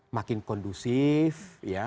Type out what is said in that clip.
makin kondusif ya